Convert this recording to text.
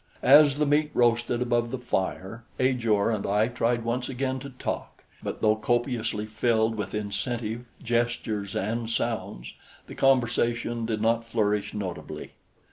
As the meat roasted above the fire, Ajor and I tried once again to talk; but though copiously filled with incentive, gestures and sounds, the conversation did not flourish notably.